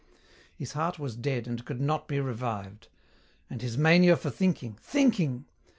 His heart was dead and could not be revived. And his mania for thinking, thinking!